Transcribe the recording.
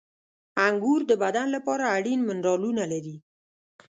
• انګور د بدن لپاره اړین منرالونه لري.